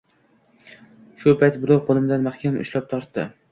Shu payt birov qo‘limdan mahkam ushlab tortdi.